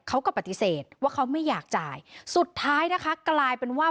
เขาก็ปฏิเสธว่าเขาไม่อยากจ่ายสุดท้ายนะคะกลายเป็นว่า